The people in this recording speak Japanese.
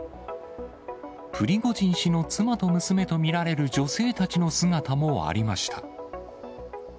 プリゴジン氏の妻と娘と見られる女性たちの姿もありました。